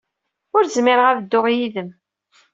Ur zmireɣ ad dduɣ yid-m.